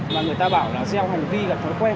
mà người ta bảo là gieo hành vi là thói quen